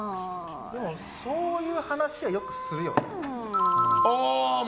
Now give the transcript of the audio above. そういう話はよくするよね。